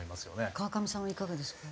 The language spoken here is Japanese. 川上さんはいかがですか？